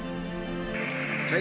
はい。